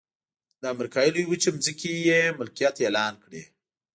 د امریکا لویې وچې ځمکې یې ملکیت اعلان کړې.